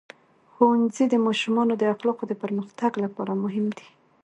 ښوونځی د ماشومانو د اخلاقو د پرمختګ لپاره مهم دی.